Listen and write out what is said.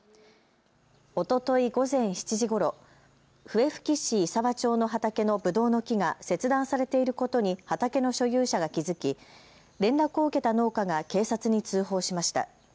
おととい午前７時ごろ笛吹市石和町の畑のぶどうの木が切断されていることに畑の所有者が気付き連絡を受けた農家が警察に通報しました。